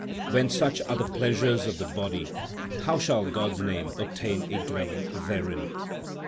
When such are the pleasures of the body, how shall God s name obtain a dwelling therein